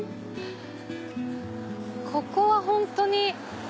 ここは本当に。